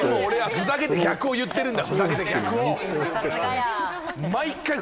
ふざけて逆を言っているんだ！